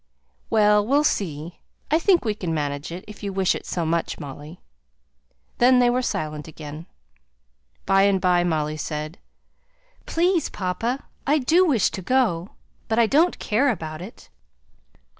"Well! we'll see yes! I think we can manage it, if you wish it so much, Molly." Then they were silent again. By and by, Molly said, "Please, papa I do wish to go, but I don't care about it."